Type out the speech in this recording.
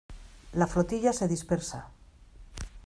la flotilla se dispersa.